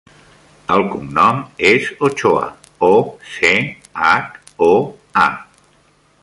El cognom és Ochoa: o, ce, hac, o, a.